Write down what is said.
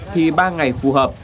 thì ba ngày phù hợp